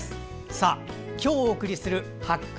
さあ、今日お送りする「発掘！